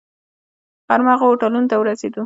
غرمه هغو هوټلونو ته ورسېدو.